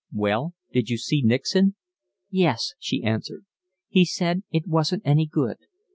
"Well? Did you see Nixon?" "Yes," she answered. "He said it wasn't any good.